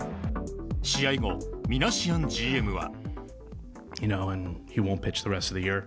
試合後、ミナシアンＧＭは。